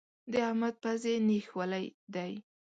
د احمد پزې نېښ ولی دی.